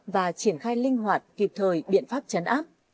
và triển khai linh hoạt kịp thời biện pháp chấn áp